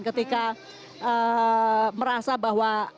ketika merasa bahwa